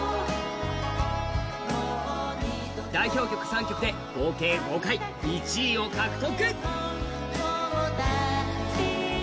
代表曲３曲で合計５回、１位を獲得。